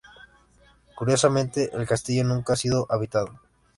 Curiosamente, el castillo nunca ha sido habitado.